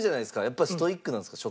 やっぱストイックなんですか？